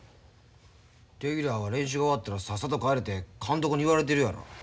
レギュラーは練習が終わったらさっさと帰れて監督に言われてるやろ。